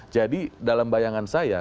jadi dalam bayangan saya